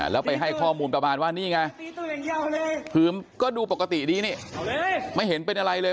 แล้วไปให้ข้อมูลประมาณว่านี่ไงคือก็ดูปกติดีนี่ไม่เห็นเป็นอะไรเลย